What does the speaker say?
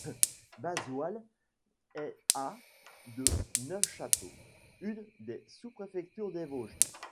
Bazoilles est à de Neufchâteau, une des sous-préfectures des Vosges.